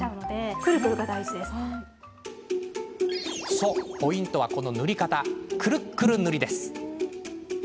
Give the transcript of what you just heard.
そう、ポイントはこの塗り方くるくる塗り。